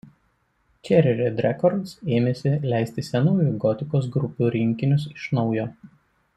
Cherry Red records ėmėsi leisti senųjų gotikos grupių rinkinius iš naujo.